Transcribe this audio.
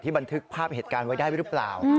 บันทึกภาพเหตุการณ์ไว้ได้หรือเปล่า